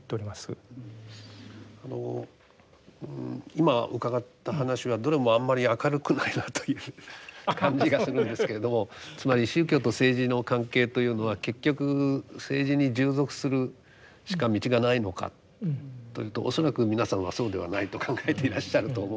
あの今伺った話はどれもあんまり明るくないなという感じがするんですけれどもつまり宗教と政治の関係というのは結局政治に従属するしか道がないのかというと恐らく皆さんはそうではないと考えていらっしゃると思うので。